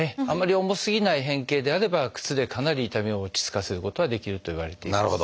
あんまり重すぎない変形であれば靴でかなり痛みを落ち着かせることができるといわれています。